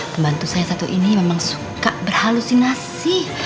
pembantu saya satu ini memang suka berhalusinasi